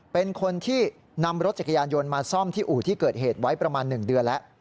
เป็นคนที่นำรถจักรยานยนต์มาซ่อมที่อู่ที่เกิดเหตุไว้ประมาณ๑เดือนแล้ว